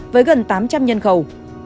với gần tám trăm linh nhân khẩu